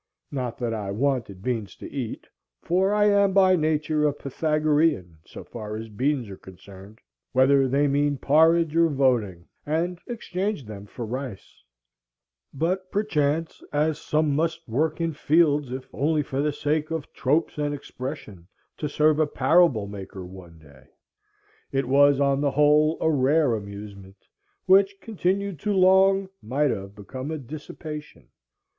Not that I wanted beans to eat, for I am by nature a Pythagorean, so far as beans are concerned, whether they mean porridge or voting, and exchanged them for rice; but, perchance, as some must work in fields if only for the sake of tropes and expression, to serve a parable maker one day. It was on the whole a rare amusement, which, continued too long, might have become a dissipation.